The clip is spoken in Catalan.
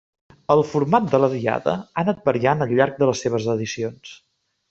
El format de la diada ha anat variant al llarg de les seves edicions.